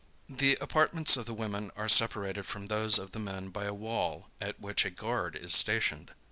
The apartments of the women are separated from those of the men by a wall at which a guard is stationed.